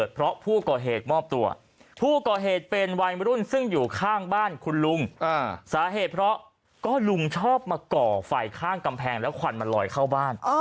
เพราะก็ลุงชอบมาก่อไฟข้างกำแพงแล้วขวัญมันลอยเข้าบ้าน